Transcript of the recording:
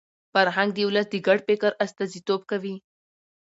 فرهنګ د ولس د ګډ فکر استازیتوب کوي.